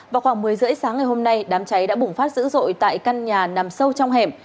vào khoảng một mươi h ba mươi sáng ngày hôm nay đám cháy đã bùng phát dữ dội tại căn nhà nằm sâu trong hẻm